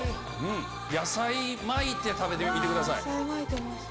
野菜巻いて食べてみてください。